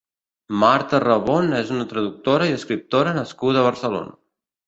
Marta Rebón és una traductora i escriptora nascuda a Barcelona.